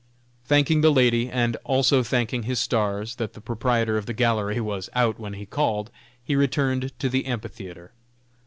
Thanking the lady, and also thanking his stars that the proprietor of the gallery was out when he called, he returned to the amphitheatre.